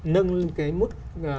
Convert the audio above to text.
nâng cái mức